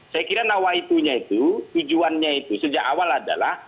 saya kira nawaitunya itu tujuannya itu sejak awal adalah